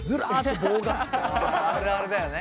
あるあるだよね。